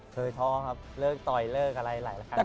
ท้อครับเลิกต่อยเลิกอะไรหลายครั้ง